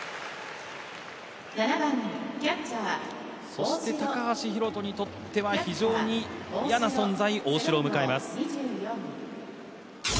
そして高橋宏斗にとっては非常にいやな存在、大城を迎えます